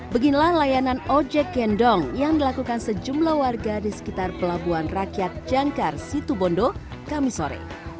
beginilah layanan ojek gendong yang dilakukan sejumlah warga di sekitar pelabuhan rakyat jangkar situbondo kamisore